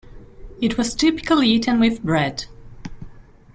It was typically eaten with bread.